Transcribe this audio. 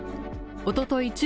おととい